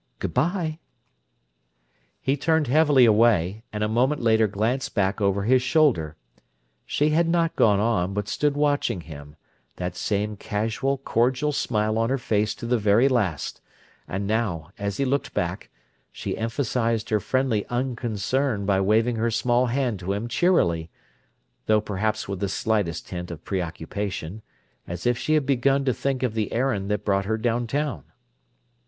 Good bye!" He turned heavily away, and a moment later glanced back over his shoulder. She had not gone on, but stood watching him, that same casual, cordial smile on her face to the very last; and now, as he looked back, she emphasized her friendly unconcern by waving her small hand to him cheerily, though perhaps with the slightest hint of preoccupation, as if she had begun to think of the errand that brought her downtown.